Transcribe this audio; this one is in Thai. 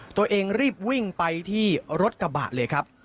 ตัวเองรีบวิ่งไปที่รถกระบะเลยครับ